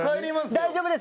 大丈夫です。